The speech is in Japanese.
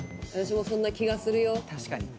私も、そんな気がするよ。